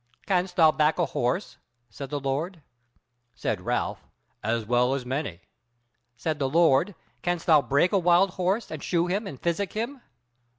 "Canst thou back a horse?" said the Lord. Said Ralph: "As well as many." Said the Lord: "Canst thou break a wild horse, and shoe him, and physic him?"